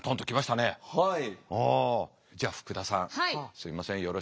すいませんよろしく。